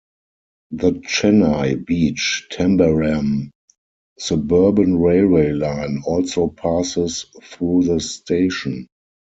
The Chennai Beach-Tambaram suburban railway line also passes through the station.